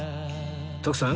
徳さん